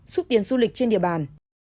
xúc tiến du lịch trên địa bàn